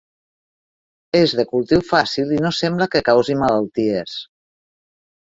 És de cultiu fàcil i no sembla que causi malalties.